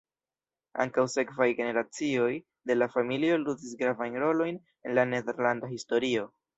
Ankaŭ sekvaj generacioj de la familio ludis gravajn rolojn en la nederlanda historio.